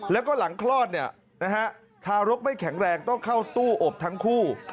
แล้วก็หลังคลอดเนี่ยนะฮะทารกไม่แข็งแรงต้องเข้าตู้อบทั้งคู่